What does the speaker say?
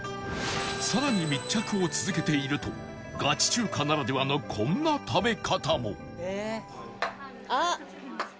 更に密着を続けているとガチ中華ならではのこんな食べ方もあっ！